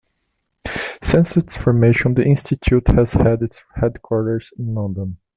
Since its formation the Institute has had its headquarters in London.